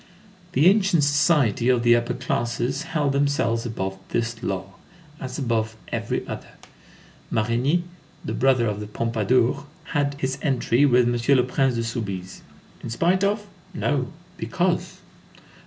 The ancient society of the upper classes held themselves above this law, as above every other. Marigny, the brother of the Pompadour, had his entry with M. le Prince de Soubise. In spite of? No, because.